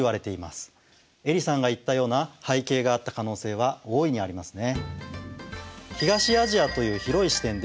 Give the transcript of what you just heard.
えりさんが言ったような背景があった可能性は大いにありますね。